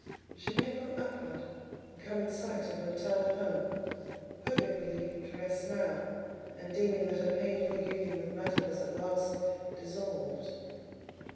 She may have gone upward, and come in sight of her eternal home, hoping for leave to rest now, and deeming that her painful union with matter was at last dissolved.